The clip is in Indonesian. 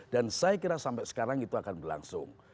dan saya kira sampai sekarang itu akan berlangsung